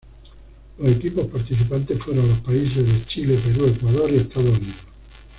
Los equipos participantes fueron los países de Chile, Perú, Ecuador y Estados Unidos.